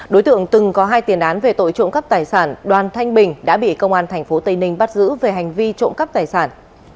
đối tượng từng có hai tiền án về tội trộm cắp tài sản đoàn thanh bình đã bị công an tp tây ninh bắt giữ về hành vi trộm cắp tài sản